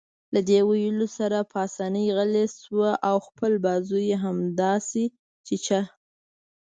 له دې ویلو سره پاسیني غلی شو او خپل بازو يې همداسې چیچه.